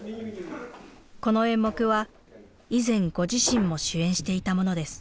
この演目は以前ご自身も主演していたものです。